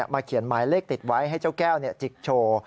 เขียนหมายเลขติดไว้ให้เจ้าแก้วจิกโชว์